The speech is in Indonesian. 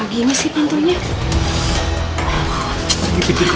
akuh berat banget yg itu bisa dibuka